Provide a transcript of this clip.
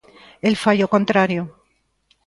El fai o contrario.